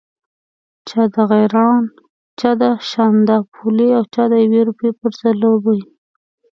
چا د غیراڼ، چا د شانداپولي او چا د یوې روپۍ پر ځلوبۍ.